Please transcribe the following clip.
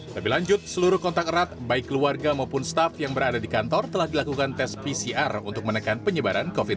lebih lanjut seluruh kontak erat baik keluarga maupun staff yang berada di kantor telah dilakukan tes pcr untuk menekan penyebaran covid sembilan belas